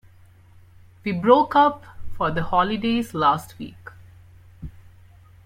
We broke up for the holidays last week